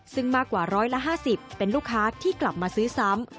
ซึ่งมากกว่าร้อยละห้าสิบเป็นลูกค้าที่กลับมาซื้อซ้ำ